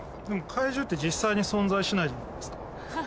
怪獣って実際に存在しないじゃないですか。